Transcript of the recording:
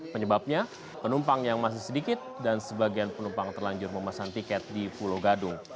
penyebabnya penumpang yang masih sedikit dan sebagian penumpang terlanjur memasang tiket di pulau gadung